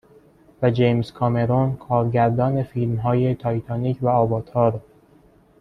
و جیمز کامرون کارگردان فیلم های تاتیتانیک و آواتار